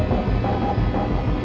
untuk mencari penyelamat